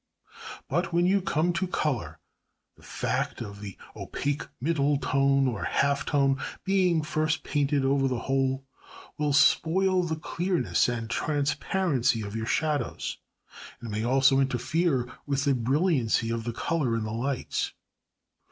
But, when you come to colour, the fact of the opaque middle tone (or half tone) being first painted over the whole will spoil the clearness and transparency of your shadows, and may also interfere with the brilliancy of the colour in the lights.